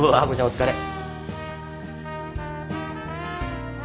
お疲れ。